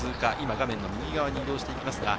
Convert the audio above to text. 画面の右側に移動しています。